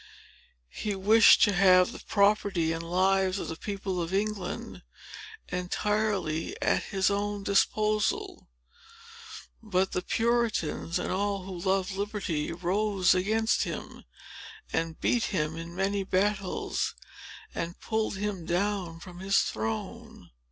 He wished to have the property and lives of the people of England entirely at his own disposal. But the Puritans, and all who loved liberty, rose against him, and beat him in many battles, and pulled him down from his throne.